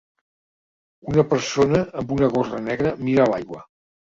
Una persona amb una gorra negra mira l'aigua.